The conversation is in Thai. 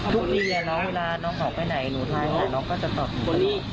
รุ่นนี้ละเวลาน้องหมดไปไหนหนูทาล่ะเลยก็จะตอบพี่